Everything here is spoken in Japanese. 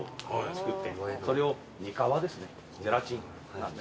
それをにかわですねゼラチン。